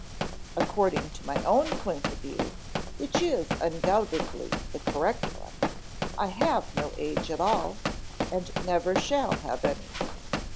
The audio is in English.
"According to my own point of view, which is undoubtedly the correct one, I have no age at all, and never shall have any."